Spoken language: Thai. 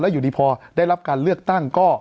อยู่ดีพอได้รับการเลือกตั้งก็